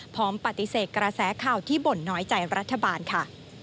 พร้อมปฏิเสธกระแสข่าวที่บ่นน้อยใจรัฐบาลค่ะ